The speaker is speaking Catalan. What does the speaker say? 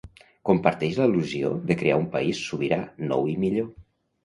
Comparteix la il·lusió de crear un país “sobirà, nou i millor”.